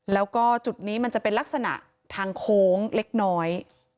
แล้วก็จุดนี้มันจะเป็นลักษณะทางโค้งเล็กน้อย